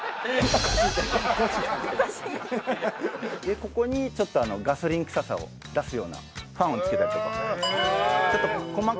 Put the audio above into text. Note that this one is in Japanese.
ここにちょっとガソリン臭さを出すようなファンを付けたりとか。